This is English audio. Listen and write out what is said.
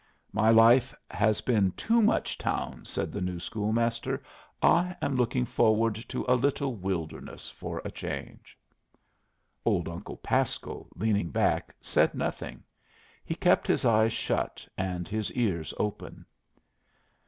"My life has been too much town," said the new school master. "I am looking forward to a little wilderness for a change." Old Uncle Pasco, leaning back, said nothing; he kept his eyes shut and his ears open.